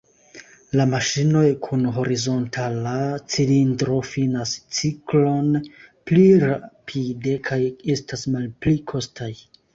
La maŝinoj kun horizontala cilindro finas ciklon pli rapide kaj estas malpli kostaj.